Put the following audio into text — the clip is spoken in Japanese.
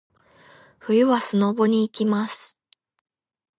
冬はスノボに行きます。